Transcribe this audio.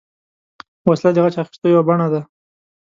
وسله د غچ اخیستو یوه بڼه ده